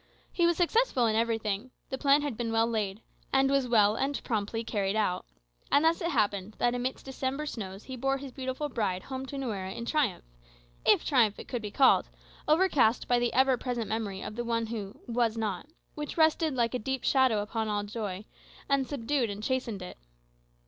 He was successful in everything; the plan had been well laid, and was well and promptly carried out. And thus it happened, that amidst December snows he bore his beautiful bride home to Nuera in triumph. If triumph it could be called, overcast by the ever present memory of the one who "was not," which rested like a deep shadow upon all joy, and subdued and chastened it.